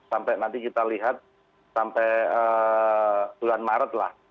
sampai nanti kita lihat sampai bulan maret lah